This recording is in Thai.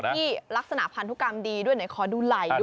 เขาบอกว่าควายนี่เป็นควายที่ลักษณะพันธุกรรมดีด้วยหน่อยขอดูไหล่ดูหาง